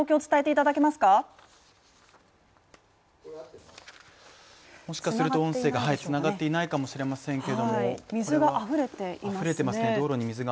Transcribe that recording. もしかすると音声がつながっていないかもしれませんけど、水があふれていますね。